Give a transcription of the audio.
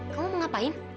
kamu mau ngapain